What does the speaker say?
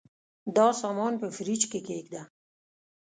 دا سامان په فریج کي کښېږده.